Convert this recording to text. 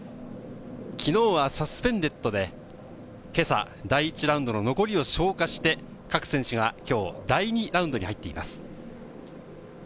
昨日はサスペンデッドで、今朝、第１ラウンドの残りを消化して、各選手が今日第２ラウンドに入っています。